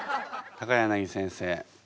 柳先生